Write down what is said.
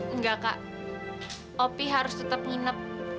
enggak kak opi harus tetap nginep